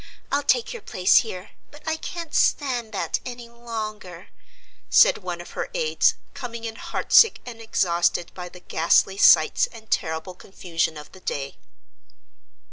I'll take your place here, but I can't stand that any longer," said one of her aids, coming in heart sick and exhausted by the ghastly sights and terrible confusion of the day.